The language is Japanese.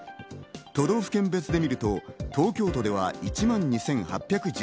都道府県別でみると、東京都では１万２８１３人。